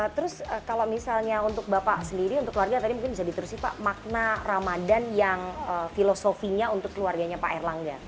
terus kalau misalnya untuk bapak sendiri untuk keluarga tadi mungkin bisa diterusin pak makna ramadan yang filosofinya untuk keluarganya pak erlangga